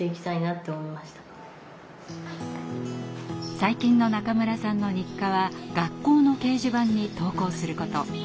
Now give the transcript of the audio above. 最近の中村さんの日課は学校の掲示板に投稿すること。